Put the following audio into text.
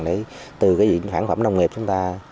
để từ cái sản phẩm nông nghiệp chúng ta